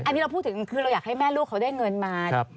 อันนี้เราพูดถึงคือเราอยากให้แม่ลูกเขาได้เงินมา